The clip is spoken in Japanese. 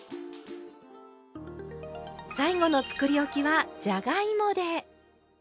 最後のつくりおきはじゃがいもで。